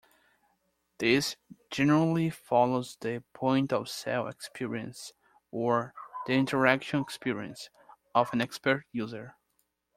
This generally follows the point-of-sale experience or the interaction experience of an expert user.